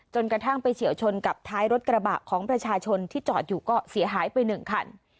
กระทั่งไปเฉียวชนกับท้ายรถกระบะของประชาชนที่จอดอยู่ก็เสียหายไปหนึ่งคัน